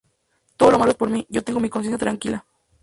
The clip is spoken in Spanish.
Todo lo malo es por mi, yo tengo mi conciencia tranquila.